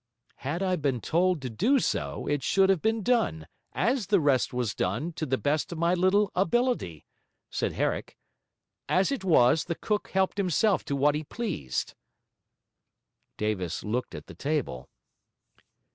'Had I been told to do so, it should have been done, as the rest was done, to the best of my little ability,' said Herrick. 'As it was, the cook helped himself to what he pleased.' Davis looked at the table.